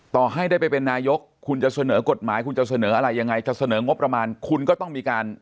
ต่อให้ได้ไปเป็นนายกคุณจะเสนอกฎหมายคุณจะเสนออะไรยังไงจะเสนองบประมาณคุณก็ต้องมีการ